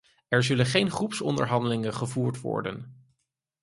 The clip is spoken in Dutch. Er zullen geen groepsonderhandelingen gevoerd worden.